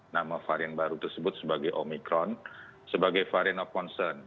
nama varian baru tersebut sebagai omikron sebagai varian of concern